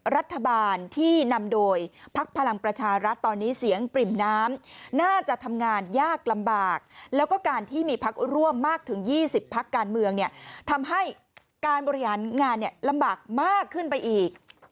รัฐบาลที่นำโดยพักพลังประชารัฐตอนนี้เสียงปริ่มน้ำน่าจะทำงานยากลำบากแล้วก็การที่มีพักร่วมมากถึง๒๐พักการเมืองเนี่ยทำให้การบริหารงานลำบากมากขึ้นไปอีก